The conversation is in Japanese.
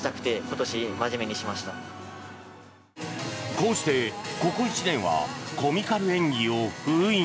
こうして、ここ１年はコミカル演技を封印。